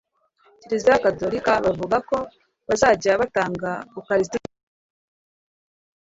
kiliziya gatolika bavuga ko bazajya batanga ukalisitiya badakoresheje intoki